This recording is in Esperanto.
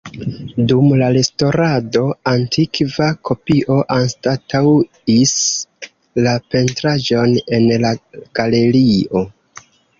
Dum la restaŭrado, antikva kopio anstataŭis la pentraĵon en la galerio.